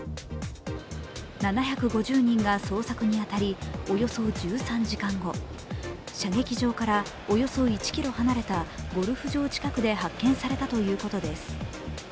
７５０人が捜索に当たりおよそ１３時間後射撃場からおよそ１ｋｍ離れたゴルフ場近くで発見されたということです。